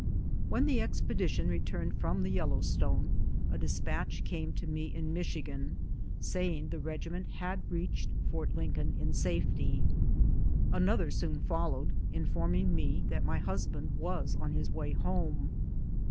When the expedition returned from the Yellowstone, a despatch came to me in Michigan, saying the regi ment had reached Fort Lincoln in safety. Another soon followed, informing me that my husband was on his way home.